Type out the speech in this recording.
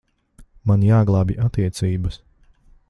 Man jāglābj attiecības.